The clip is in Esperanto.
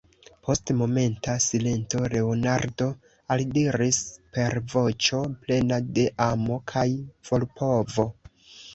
Post momenta silento Leonardo aldiris per voĉo plena de amo kaj volpovo: